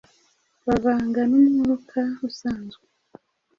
bavanga n’ umwuka usanzwe,